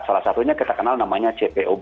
salah satunya kita kenal namanya cpo